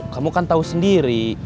kamu kan tau sendiri